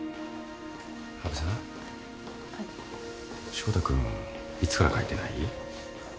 志子田君いつから帰ってない？